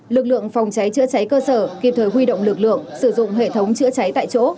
lực lượng phòng cháy chữa cháy cơ sở kịp thời huy động lực lượng sử dụng hệ thống chữa cháy tại chỗ